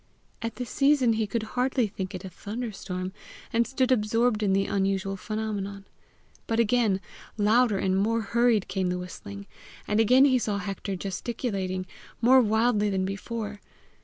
At the season he could hardly think it a thunderstorm, and stood absorbed in the unusual phenomenon. But again, louder and more hurried, came the whistling, and again he saw Hector gesticulating, more wildly than before.